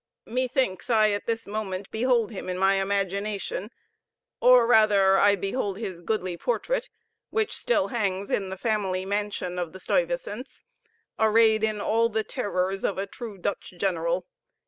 Methinks I at this moment behold him in my imagination; or rather, I behold his goodly portrait, which still hangs in the family mansion of the Stuyvesants, arrayed in all the terrors of a true Dutch general.